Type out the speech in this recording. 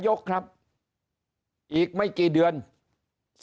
ยกครับอีกไม่กี่เดือนสภาจะเปิดเพื่ออภิพรายกันเรื่องพรบ